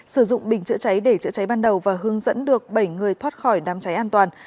sử dụng bình chữa cháy để chữa cháy ban đầu và hướng dẫn được bảy người thoát khỏi đám cháy an toàn